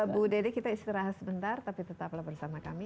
bu dede kita istirahat sebentar tapi tetaplah bersama kami